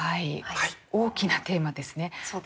大きなテーマですね。